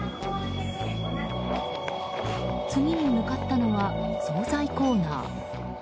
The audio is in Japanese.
次に向かったのは総菜コーナー。